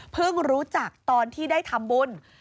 รู้จักตอนที่ได้ทำบุญ